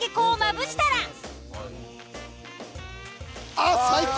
あっ最高！